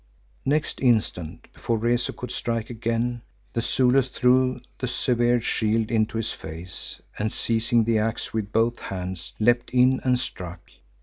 Next instant, before Rezu could strike again, the Zulu threw the severed shield into his face and seizing the axe with both hands, leapt in and struck.